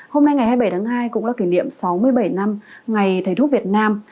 hôm nay ngày hai mươi bảy tháng hai cũng là kỷ niệm sáu mươi bảy năm ngày thầy thuốc việt nam